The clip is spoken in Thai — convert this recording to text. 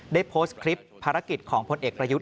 ได้โพสต์คลิปภารกิจของพลเอกประยุทธ์